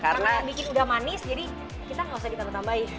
karena yang bikin udah manis jadi kita gak usah ditambah tambahin